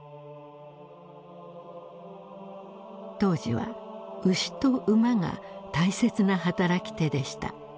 当時は牛と馬が大切な働き手でした。